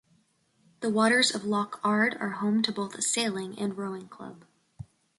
The waters of Loch Ard are home to both a sailing and rowing club.